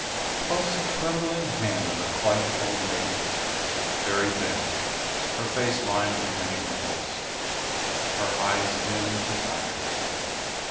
'Twas the trembling hand of a quite old woman, very bent, her face lined with many wrinkles, her eyes dim and tired.